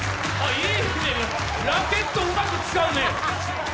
いいね、ラケットうまく使うね。